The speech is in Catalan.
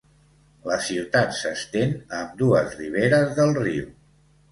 La ciutat s'estén a ambdues riberes del riu.